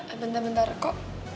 eh bentar bentar kok